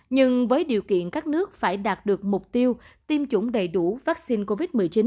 nhưng với điều kiện các nước phải đạt được mục tiêu tiêm chủng đầy đủ vaccine covid một mươi chín